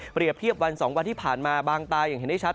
เทียบวัน๒วันที่ผ่านมาบางตาอย่างเห็นได้ชัด